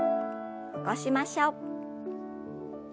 起こしましょう。